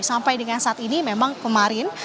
sampai dengan saat ini memang kemarin